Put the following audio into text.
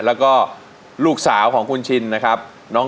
แล้วก็ลูกสาวของคุณชินนะครับ